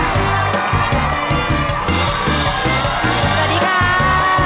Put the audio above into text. สวัสดีครับ